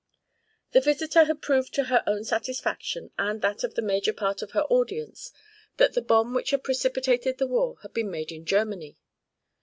The visitor had proved to her own satisfaction and that of the major part of her audience that the bomb which had precipitated the war had been made in Germany.